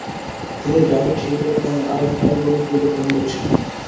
তিনি David Hilbert নামে আরেক নামী গণিতবিদের বন্ধুও ছিলেন।